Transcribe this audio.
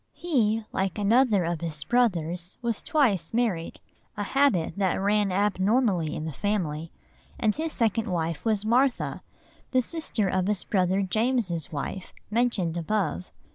He, like another of his brothers, was twice married,—a habit that ran abnormally in the family,—and his second wife was Martha, the sister of his brother James's wife, mentioned above.